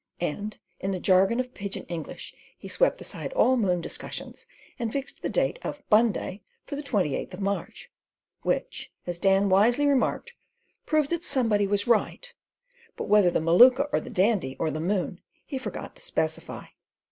And in a jargon of pidgin English he swept aside all moon discussions, and fixed the date of "Bunday" for the twenty eighth of March, "which," as Dan wisely remarked, "proved that somebody was right," but whether the Maluka or the Dandy, or the moon, he forgot to specify.